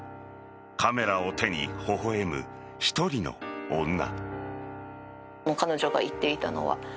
カメラを手に微笑む１人の女。